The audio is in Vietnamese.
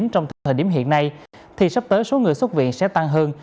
trong thời điểm hiện nay thì sắp tới số người xuất viện sẽ tăng hơn